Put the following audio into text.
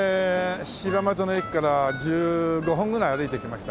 柴又の駅から１５分ぐらい歩いてきましたかね。